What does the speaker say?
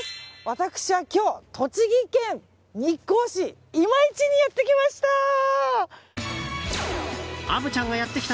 私は今日、栃木県日光市今市にやってきました。